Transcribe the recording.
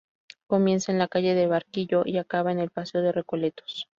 Comienza en la calle de Barquillo y acaba en el paseo de Recoletos.